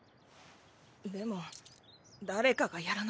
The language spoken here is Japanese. でも誰かがやらなきゃ。